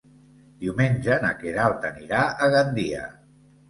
Diumenge na Queralt anirà a Gandia.